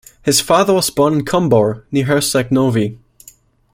His father was born in Kumbor, near Herceg Novi.